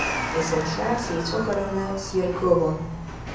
Есымша сицәыхараны сиргылон.